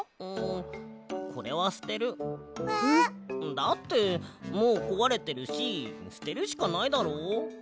だってもうこわれてるしすてるしかないだろう？